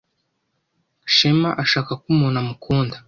Shema ashaka ko umuntu amukunda.